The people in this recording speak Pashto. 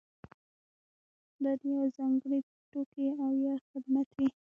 دا د یوه ځانګړي توکي او یا خدمت وي.